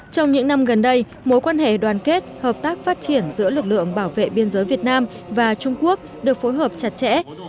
trong những năm gần đây mối quan hệ đoàn kết hợp tác phát triển giữa lực lượng bảo vệ biên giới việt nam và trung quốc được phối hợp chặt chẽ